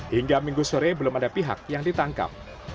hingga minggu sore belum ada pihak yang ditangkap